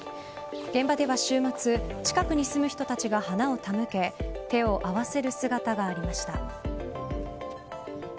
現場では週末近くに住む人たちが花を手向け手を合わせる姿がありました。